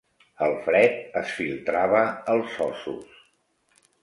El fred es filtrava als ossos.